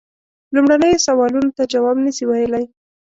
لومړنیو سوالونو ته جواب نه سي ویلای.